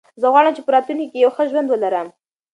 زه غواړم چې په راتلونکي کې یو ښه ژوند ولرم.